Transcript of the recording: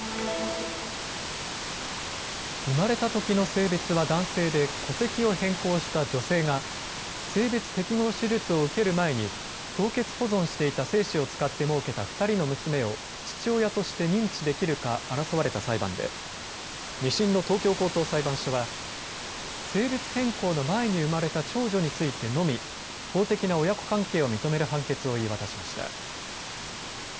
生まれたときの性別は男性で戸籍を変更した女性が性別適合手術を受ける前に凍結保存していた精子を使ってもうけた２人の娘を父親として認知できるか争われた裁判で２審の東京高等裁判所は性別変更の前に生まれた長女についてのみ法的な親子関係を認める判決を言い渡しました。